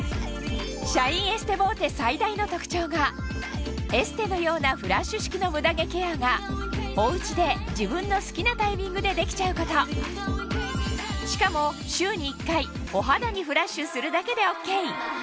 シャインエステボーテ最大の特徴がエステのようなフラッシュ式のムダ毛ケアがおうちで自分の好きなタイミングでできちゃうことしかもまず。